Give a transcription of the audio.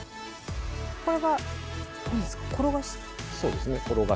これは何ですか？